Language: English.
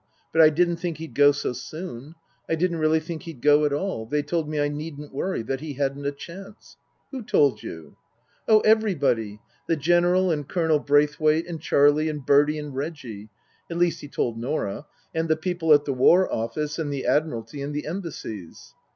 But I didn't think he'd go so soon. I didn't really think he'd go at all. They told me I needn't worry, that he hadn't a chance." " Who told you ?"" Oh, everybody. The General and Colonel Braithwaite and Charlie, and Bertie, and Reggie at least he told Norah and the people at the War Office and the Admiraltv and the Embassies."